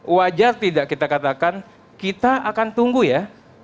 wajar tidak kita katakan kita akan tunggu ya